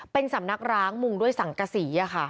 เป็นสำนักร้างมุงด้วยสังกษี